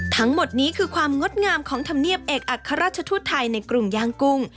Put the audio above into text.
ทั้งหมดนี้คือความงดงามของธรรมเนียบเอกอัครราชทูตไทยในกรุงยางกุ้ง